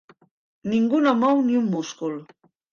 Ningú no mou ni un múscul.